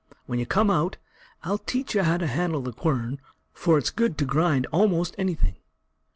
When you come out, I'll teach you how to handle the quern, for it's good to grind almost anything."